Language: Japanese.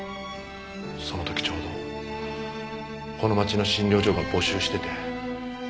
その時ちょうどこの町の診療所が募集してて。